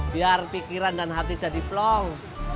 biar pikiran dan hati jadi plau